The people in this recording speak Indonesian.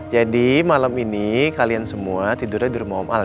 jadi malam ini kalian semua tidurnya di rumah om al